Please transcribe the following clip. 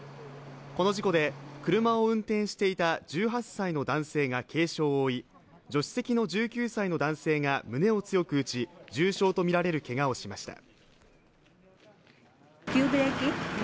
この事故で車を運転していた１８歳の男性が軽傷を負い、助手席の１９歳の男性が胸を強く打ち、重傷とみられるけがをしました。